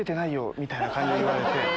みたいな感じで言われて。